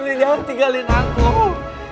riri jangan tinggalin aku